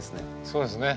そうですね。